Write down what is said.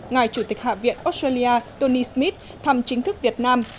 ngài chủ tịch hạ viện australia tony smith thăm chính thức việt nam